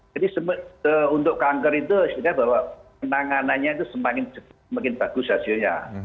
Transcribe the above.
jadi untuk kanker itu istilahnya bahwa menanganannya itu semakin bagus hasilnya